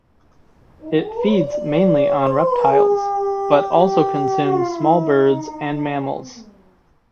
It feeds mainly on reptiles, but also consumes small birds and mammals.